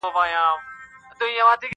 د ارزښتونو د مخامخ کېدو